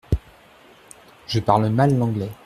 Je parle mal l’anglais.